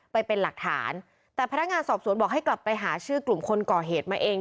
ไปเป็นหลักฐานแต่พนักงานสอบสวนบอกให้กลับไปหาชื่อกลุ่มคนก่อเหตุมาเอง